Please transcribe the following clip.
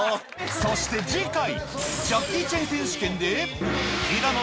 そして次回！